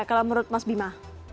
kalau menurut mas bima